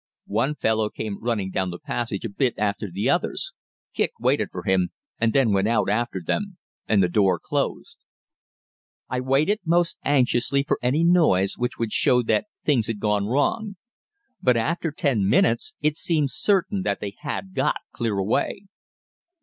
One fellow came running down the passage a bit after the others Kicq waited for him and then went out after them, and the door closed. I waited most anxiously for any noise which would show that things had gone wrong. But after ten minutes it seemed certain that they had got clear away.